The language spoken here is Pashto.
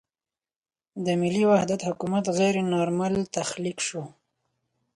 د ملي وحدت حکومت غیر نارمل تخلیق شو.